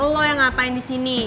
lo yang ngapain di sini